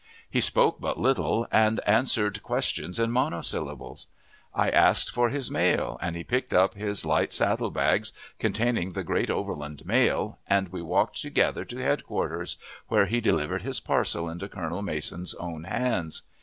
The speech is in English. He spoke but little, and answered questions in monosyllables. I asked for his mail, and he picked up his light saddle bags containing the great overland mail, and we walked together to headquarters, where he delivered his parcel into Colonel Mason's own hands.